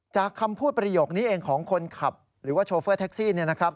คำพูดประโยคนี้เองของคนขับหรือว่าโชเฟอร์แท็กซี่เนี่ยนะครับ